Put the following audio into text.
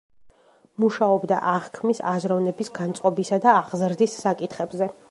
მუშაობდა აღქმის, აზროვნების, განწყობისა და აღზრდის საკითხებზე.